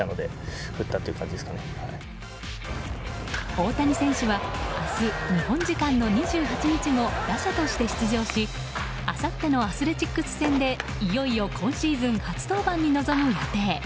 大谷選手は明日、日本時間の２８日も打者として出場しあさってのアスレチックス戦でいよいよ今シーズン初登板に臨む予定。